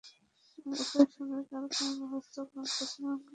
একই সঙ্গে কারখানার ব্যবস্থাপক আবদুস সালামকে তিন মাসের কারাদণ্ড দেওয়া হয়।